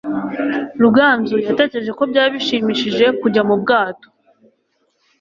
Ruganzu yatekereje ko byaba bishimishije kujya mu bwato.